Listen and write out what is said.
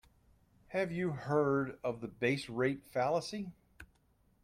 Have you heard of the base rate fallacy?